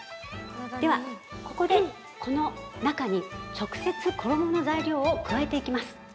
では、ここで、この中に直接、衣の材料を加えていきます。